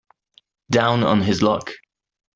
Down on his luck.